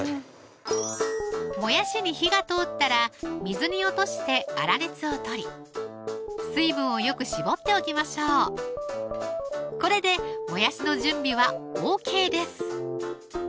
もやしに火が通ったら水に落として粗熱を取り水分をよく絞っておきましょうこれでもやしの準備はＯＫです